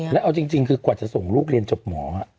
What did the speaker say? แล้วเอาจริงคือกว่าจะส่งลูกเรียนจบหมอ